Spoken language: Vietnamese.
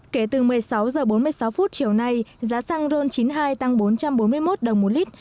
kể từ một mươi sáu h bốn mươi sáu phút chiều nay giá xăng ron chín mươi hai tăng bốn trăm bốn mươi một đồng một lít